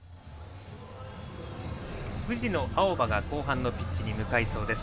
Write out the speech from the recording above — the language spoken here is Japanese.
藤野あおばが後半のピッチに向かいそうです。